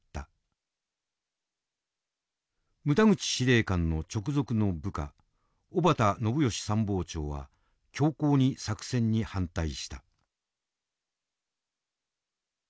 牟田口司令官の直属の部下小畑信良参謀長は強硬に作戦に反対した。